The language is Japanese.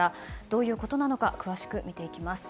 どういうことなのか詳しく見ていきます。